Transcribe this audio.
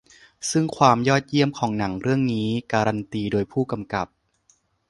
ซึ่งความยอดเยี่ยมของหนังเรื่องนี้การันตีโดยผู้กำกับ